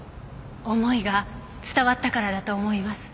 思いが伝わったからだと思います。